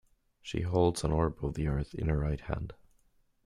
She holds an orb of the earth in her right hand.